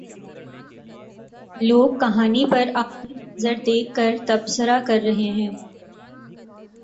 لوگ کہانی پر آخری منظر دیکھ کر تبصرہ کر رہے ہیں۔